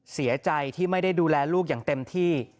เสียใจที่ไม่ได้ดูแลลูกอย่างเต็มที่